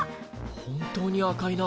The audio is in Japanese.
本当に赤いな。